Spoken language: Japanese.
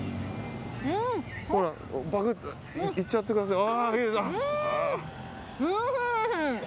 ぱくっといっちゃってください。